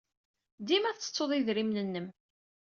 Dima tettettuḍ idrimen-nnem.